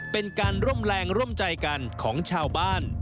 เป็นการร่วมแรงร่วมใจกันของชาวบ้าน